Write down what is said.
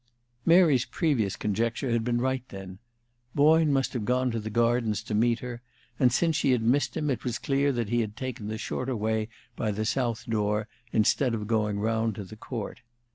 Mary's previous conjecture had been right, then. Boyne must have gone to the gardens to meet her, and since she had missed him, it was clear that he had taken the shorter way by the south door, instead of going round to the court.